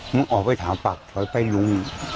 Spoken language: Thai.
มึงออกไปถามปากลูก